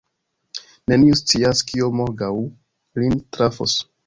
Neniu scias, kio morgaŭ lin trafos.